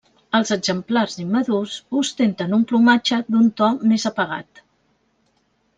Els exemplars immadurs ostenten un plomatge d'un to més apagat.